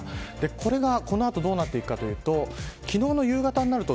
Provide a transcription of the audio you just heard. これが、この後どうなっていくかというと昨日の夕方になると